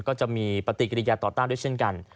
ก็จะมีปฏิกิริยาต่อต้านด้วยเช่นกัน